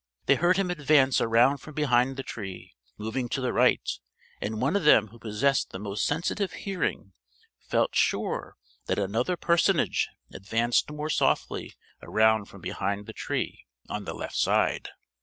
They heard him advance around from behind the Tree, moving to the right; and one of them who possessed the most sensitive hearing felt sure that another personage advanced more softly around from behind the Tree, on the left side.